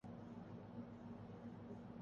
T twenty series کیلئے West Indian team کااعلان